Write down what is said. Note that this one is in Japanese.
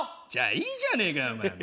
じゃあいいじゃねえかよお前。